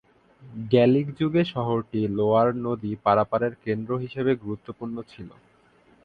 Gallic যুগে শহরটি Loire নদী পারাপারের কেন্দ্র হিসেবে গুরুত্বপূর্ণ ছিল।